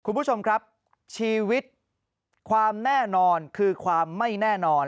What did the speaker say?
คุณผู้ชมครับชีวิตความแน่นอนคือความไม่แน่นอน